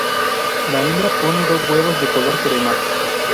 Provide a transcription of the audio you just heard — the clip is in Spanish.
La hembra pone dos huevos de color crema.